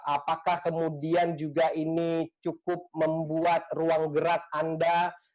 apakah kemudian juga ini cukup membuat ruang gerak anda